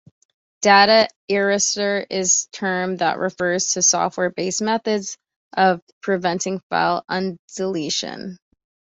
Data erasure is term that refers to software-based methods of preventing file undeletion.